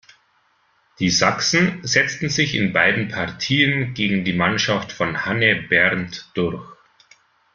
Die Sachsen setzten sich in beiden Partien gegen die Mannschaft von „Hanne“ Berndt durch.